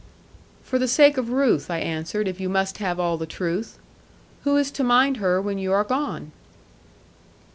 'For the sake of Ruth,' I answered; 'if you must have all the truth. Who is to mind her when you are gone?'